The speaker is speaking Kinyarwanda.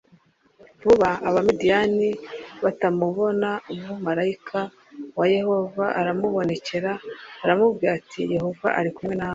vuba Abamidiyani batamubona Umumarayika wa Yehova aramubonekera aramubwira ati Yehova ari kumwe